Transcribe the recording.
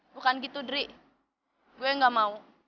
bukan gitu dri gue gak mau